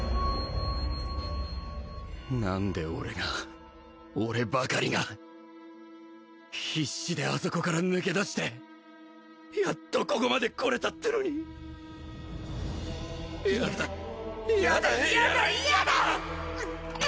何で俺が俺ばかりが必死であそこから抜け出してやっとここまで来れたってのに嫌だ嫌だ嫌だ嫌だ！